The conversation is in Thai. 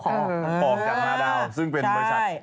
ออกจากฮาดาวซึ่งเป็นบริษัท